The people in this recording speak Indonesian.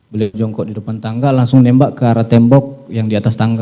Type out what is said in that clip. beliau jongkok di depan tangga langsung nembak ke arah tembok yang di atas tangga